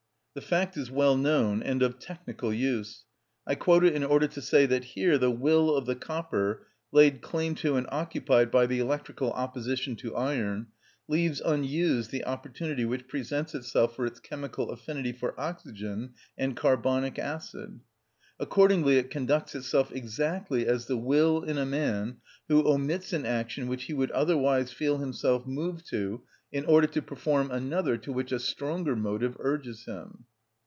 The fact is well known and of technical use. I quote it in order to say that here the will of the copper, laid claim to and occupied by the electrical opposition to iron, leaves unused the opportunity which presents itself for its chemical affinity for oxygen and carbonic acid. Accordingly it conducts itself exactly as the will in a man who omits an action which he would otherwise feel himself moved to in order to perform another to which a stronger motive urges him.